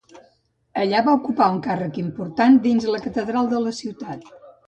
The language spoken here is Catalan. Allà va ocupar un càrrec important dins la catedral de la ciutat.